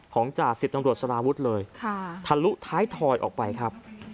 ของจ่าสิทธิ์นังโดรสลาวุฒิเลยค่ะทะลุท้ายถอยออกไปครับ